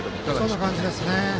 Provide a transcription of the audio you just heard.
そんな感じですね。